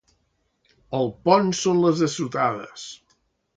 Al pont són les assotades.